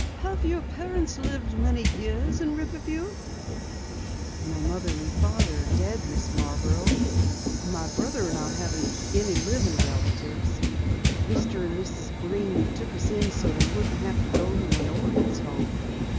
Have your parents lived many years in Riverview?" "My mother and father are dead, Mrs. Marborough. My brother and I haven't any living relatives. Mr. and Mrs. Breen took us in so we wouldn't have to go to an orphans' home.